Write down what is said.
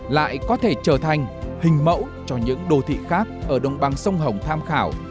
lại có thể trở thành hình mẫu cho những đô thị khác ở đông bang sông hồng tham khảo